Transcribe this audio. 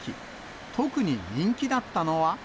特に人気だったのは。